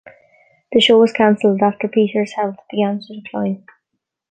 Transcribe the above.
The show was canceled after Peters' health began to decline.